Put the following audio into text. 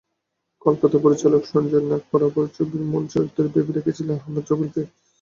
কলকাতার পরিচালক সঞ্জয় নাগ পারাপার ছবির মূল চরিত্রে ভেবে রেখেছিলেন আহমেদ রুবেলকে।